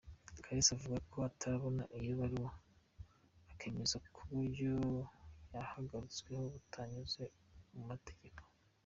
Kalisa avuga ko atarabona iyo baruwa, akemeza ko uburyo yahagaritswemo butanyuze mu mategeko.